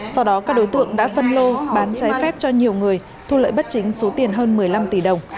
sau đó các đối tượng đã phân lô bán trái phép cho nhiều người thu lợi bất chính số tiền hơn một mươi năm tỷ đồng